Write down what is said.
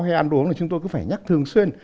hay ăn uống thì chúng tôi cứ phải nhắc thường xuyên